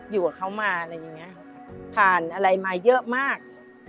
อยู่กับเขามาอะไรอย่างนี้ผ่านอะไรมาเยอะมาก